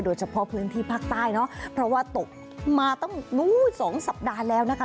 โดยเฉพาะพื้นที่ภาคใต้เนอะเพราะว่าตกมาตั้งนู้นสองสัปดาห์แล้วนะคะ